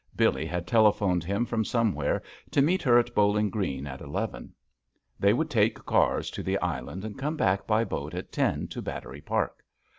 Billee had telephoned him from somewhere to meet her at Bowling Green at eleven. They would take cars to the Island and come back by boat at ten to Battery Park.